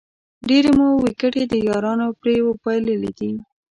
ډېرې مو وېکټې د یارانو پرې بایللې دي